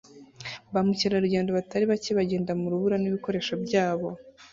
Ba mukerarugendo batari bake bagenda mu rubura nibikoresho byabo